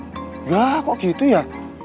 enggak kok gitu ya